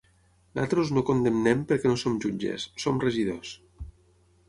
Nosaltres no condemnen perquè no som jutges, som regidors.